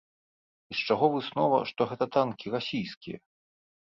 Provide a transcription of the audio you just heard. І з чаго выснова, што гэта танкі расійскія?